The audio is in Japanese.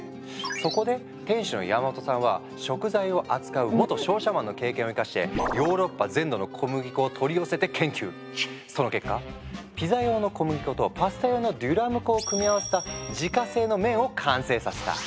そこで店主の山本さんは食材を扱う元商社マンの経験を生かしてその結果ピザ用の小麦粉とパスタ用のデュラム粉を組み合わせた自家製の麺を完成させた。